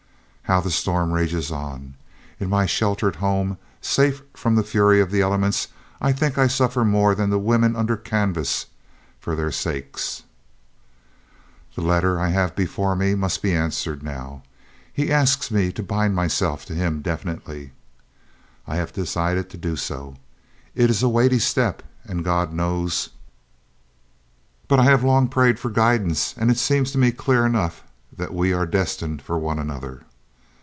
"How the storm rages on! In my sheltered home, safe from the fury of the elements, I think I suffer more than the women under canvas, for their sakes.... "The letter I have before me must be answered now. He asks me to bind myself to him definitely.... "I have decided to do so. It is a weighty step, and God knows.... "But I have long prayed for guidance, and it seems to me clear enough that we are destined for one another.